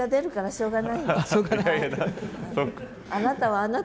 しょうがない。